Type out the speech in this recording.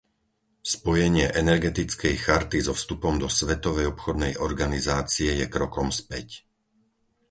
Spojenie energetickej charty so vstupom do Svetovej obchodnej organizácie je krokom späť.